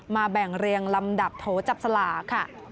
มาแบ่งเรียงลำดับโทษจับสละค่ะ